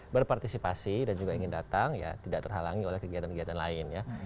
berpartisipasi dan juga ingin datang ya tidak terhalangi oleh kegiatan kegiatan lain ya